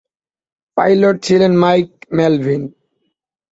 Pilot ছিলেন Mike Melville.